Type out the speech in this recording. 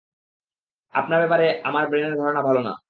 আপনার ব্যাপারে আমার ব্রেনের ধারণা ভালো না!